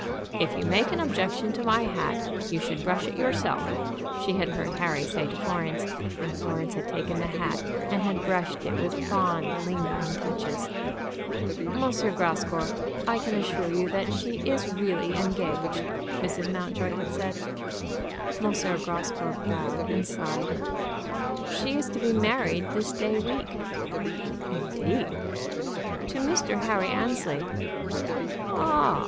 "If you make objection to my hat, you should brush it yourself," she had heard Harry say to Florence, and Florence had taken the hat, and had brushed it with fond, lingering touches. "M. Grascour, I can assure you that she is really engaged," Mrs. Mountjoy had said. M. Grascour bowed and sighed. "She is to be married this day week." "Indeed!" "To Mr. Harry Annesley." "Oh h h!